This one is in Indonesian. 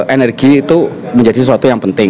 energi itu menjadi sesuatu yang penting